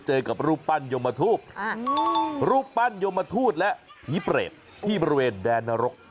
กับรูปปั้นยมทูตรูปปั้นยมทูตและผีเปรตที่บริเวณแดนนรก